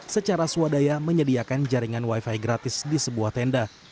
secara swadaya menyediakan jaringan wifi gratis di sebuah tenda